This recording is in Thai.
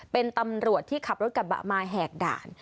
เป็นตำรวจที่ขับรถกระบะมาแหกด่าน